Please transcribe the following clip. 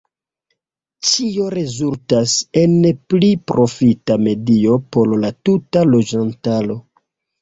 Ĉio rezultas en pli profita medio por la tuta loĝantaro.